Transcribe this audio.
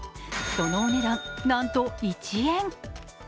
そのお値段、なんと１円。